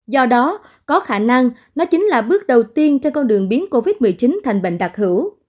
do đó có khả năng nó chính là bước đầu tiên cho con đường biến covid một mươi chín thành bệnh đặc hữu